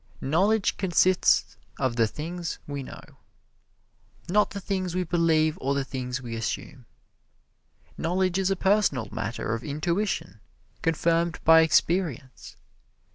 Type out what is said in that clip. Knowledge consists of the things we know, not the things we believe or the things we assume. Knowledge is a personal matter of intuition, confirmed by experience.